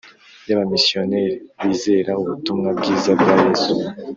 Y abamisiyoneri bizera ubutumwa bwiza bwa yesu